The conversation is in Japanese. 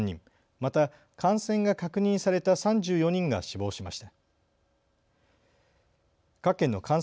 また感染が確認された３４人が死亡しました。